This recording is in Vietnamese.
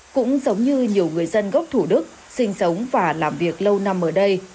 cũng giống như nhiều người dân gốc thủ đức sinh sống và làm việc lâu năm ở đây